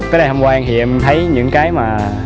khi đi thăm quan thì em thấy những cái mà